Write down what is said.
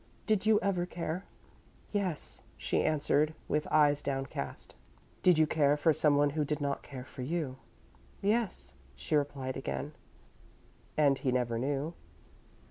Did you ever care?" "Yes," she answered, with eyes downcast. "Did you care for someone who did not care for you?" "Yes," she replied, again. "And he never knew?"